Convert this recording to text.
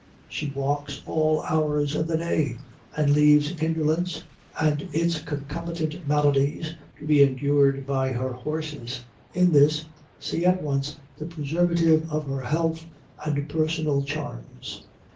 She walks all hours of the day, and leaves indolence, and its concomitant maladies, to be endured by her horses. In this, see at once the preservative of her health and personal charms.